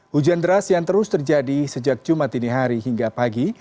hujan deras yang terus terjadi sejak jumat ini hari hingga pagi